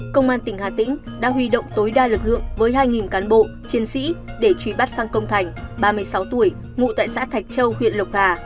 công an tỉnh hà tĩnh đã huy động tối đa lực lượng với hai cán bộ chiến sĩ để truy bắt phan công thành ba mươi sáu tuổi ngụ tại xã thạch châu huyện lộc hà